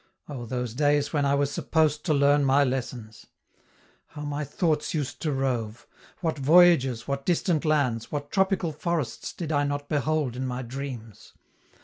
Oh, those days when I was supposed to learn my lessons! How my thoughts used to rove what voyages, what distant lands, what tropical forests did I not behold in my dreams!